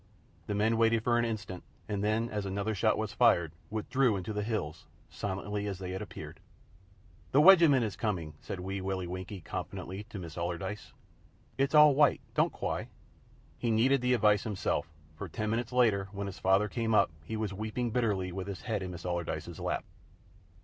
The men waited for an instant, and then, as another shot was fired, withdrew into the hills, silently as they had appeared. "The wegiment is coming," said Wee Willie Winkie, confidently, to Miss Allardyce, "and it's all wight. Don't cwy!" He needed the advice himself, for ten minutes later, when his father came up, he was weeping bitterly with his head in Miss Allardyce's lap.